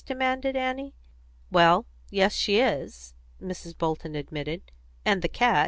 demanded Annie. "Well, yes, she is," Mrs. Bolton admitted. "And the cat."